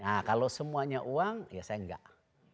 nah kalau semuanya uang ya saya enggak